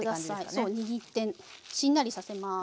そう握ってしんなりさせます。